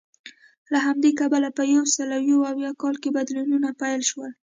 له همدې کبله په یو سوه یو اویا کال کې بدلونونه پیل شول